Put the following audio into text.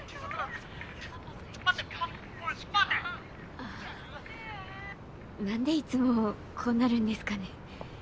あなんでいつもこうなるんですかね。